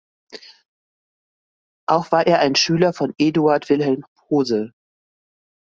Auch war er ein Schüler von Eduard Wilhelm Pose.